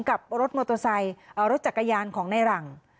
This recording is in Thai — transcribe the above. กับรถมอเตอร์ไซค์รถจักรยานของในหลัง